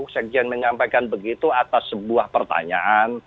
sekjen menyampaikan begitu atas sebuah pertanyaan